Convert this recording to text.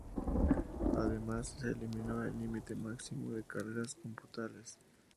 Además, se eliminó el límite máximo de carreras computables.